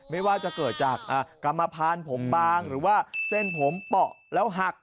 ไม่ว่าจะเกิดจากกรรมพานผมบางหรือว่าเส้นผมเปาะแล้วหัก